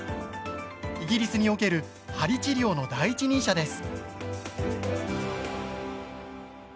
イギリスにおける鍼治療の第一人者です。